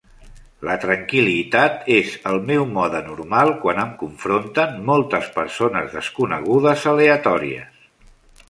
La tranquil·litat és el meu mode normal quan em confronten moltes persones desconegudes aleatòries.